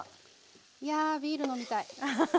いやビール飲みたい。